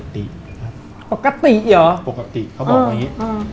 ปกติเหรอปกติเขาบอกว่าอย่างนี้